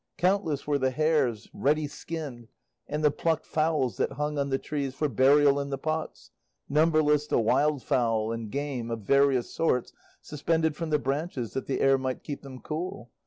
Countless were the hares ready skinned and the plucked fowls that hung on the trees for burial in the pots, numberless the wildfowl and game of various sorts suspended from the branches that the air might keep them cool.